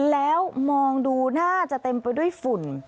แล้วมองดูน่าจะเต็มไปด้วยฝุ่น